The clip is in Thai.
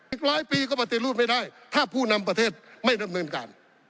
อีกร้อยปีก็ปฏิรูปไม่ได้ถ้าผู้นำประเทศไม่ดำเนินการ